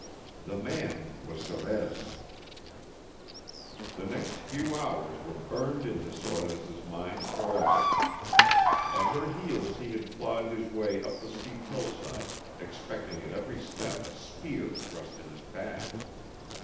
The man was Sorez. The next few hours were burned into Sorez' mind forever. At her heels he had clawed his way up the steep hillside expecting at every step a spear thrust in his back.